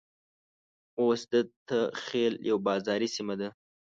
اوس دته خېل يوه بازاري سيمه ده.